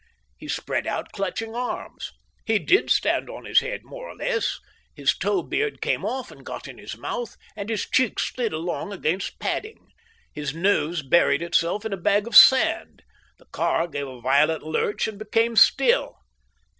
He spread out clutching arms. He did stand on his head, more or less, his tow beard came off and got in his mouth, and his cheek slid along against padding. His nose buried itself in a bag of sand. The car gave a violent lurch, and became still.